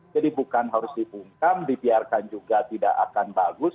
jadi bukan harus dipungkam dipiarkan juga tidak akan bagus